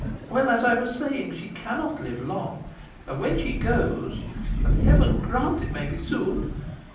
Well, as I was saying, she cannot live long, and when she goes and Heaven grant it may be soon!